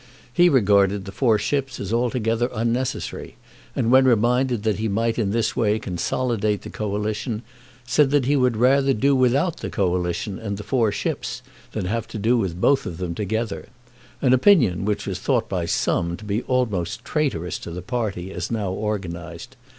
He regarded the four ships as altogether unnecessary, and when reminded that he might in this way consolidate the Coalition, said that he would rather do without the Coalition and the four ships than have to do with both of them together, an opinion which was thought by some to be almost traitorous to the party as now organised.